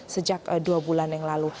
sejak dua bulan yang lalu